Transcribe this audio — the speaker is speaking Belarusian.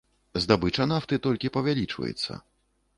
Здабыча нафты толькі павялічваецца.